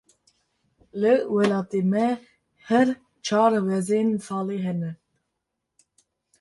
Li welatê me, her çar werzên salê hene.